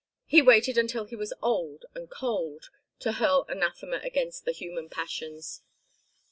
He waited until he was old and cold to hurl anathema against the human passions.